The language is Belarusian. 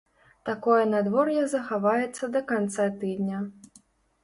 Такое надвор'е захаваецца да канца тыдня.